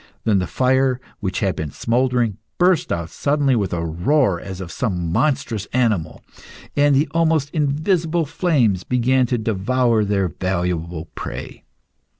Then the fire, which had been smouldering, burst out suddenly with a roar as of some monstrous animal, and the almost invisible flames began to devour their valuable prey.